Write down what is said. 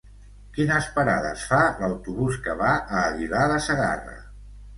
Quines parades fa l'autobús que va a Aguilar de Segarra?